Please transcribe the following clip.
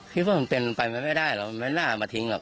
คิดว่ามันเป็นไปไม่ได้เราไม่น่ามาทิ้งหรอก